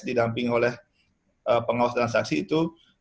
didampingi oleh pengawas dan saksi itu